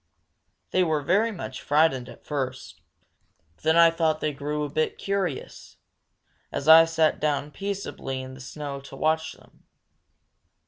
They were very much frightened at first; then I thought they grew a bit curious, as I sat down peaceably in the snow to watch them.